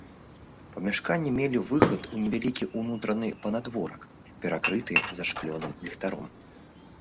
Памяшканні мелі выхад у невялікі ўнутраны панадворак, перакрыты зашклёным ліхтаром.